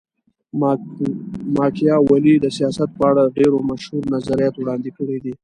ماکیاولي د سیاست په اړه ډېر مشهور نظریات وړاندي کړي دي.